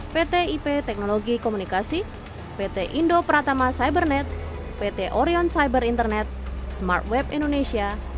pt ip teknologi komunikasi pt indo pratama cybernet pt orion cyber internet smart web indonesia